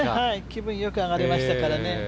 気分良く上がりましたからね。